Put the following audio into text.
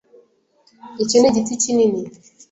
Iki ni igiti kinini